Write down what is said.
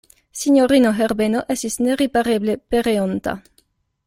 Sinjorino Herbeno estis neripareble pereonta.